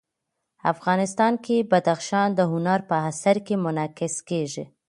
افغانستان کې بدخشان د هنر په اثار کې منعکس کېږي.